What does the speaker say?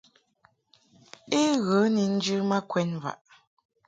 I ghə ni njɨ ma kwɛd mvaʼ.